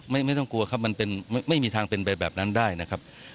ไม่ต้องกลัวครับมันเป็นไม่มีทางเป็นไปแบบนั้นได้นะครับ